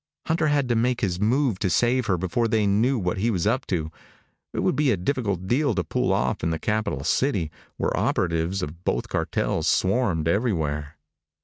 Hunter had to make his move to save her before they knew what he was up to. It would be a difficult deal to pull off in the capital city, where operatives of both cartels swarmed everywhere.